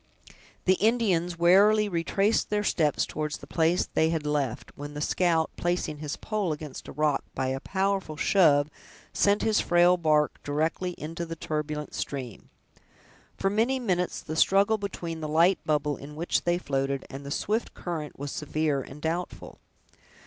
The Indians warily retraced their steps toward the place they had left, when the scout, placing his pole against a rock, by a powerful shove, sent his frail bark directly into the turbulent stream. For many minutes the struggle between the light bubble in which they floated and the swift current was severe and doubtful.